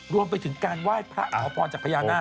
รวมไปถึงการไหว้พระอาวุธพระคุณจัดพระญาณนา